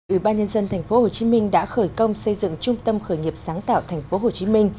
ủy ban nhân dân tp hcm đã khởi công xây dựng trung tâm khởi nghiệp sáng tạo tp hcm